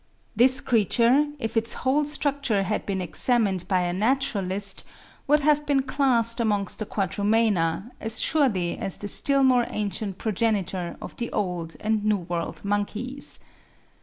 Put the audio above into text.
This creature, if its whole structure had been examined by a naturalist, would have been classed amongst the Quadrumana, as surely as the still more ancient progenitor of the Old and New World monkeys.